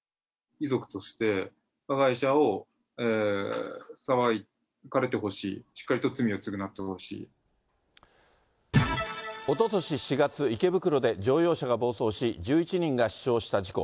遺族として、加害者を裁かれてほしい、おととし４月、池袋で乗用車が暴走し、１１人が死傷した事故。